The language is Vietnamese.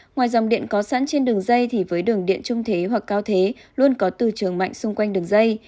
ngoài dòng điện có sẵn trên đường dây thì với đường điện trung thế hoặc cao thế luôn có từ trường mạnh xung quanh đường dây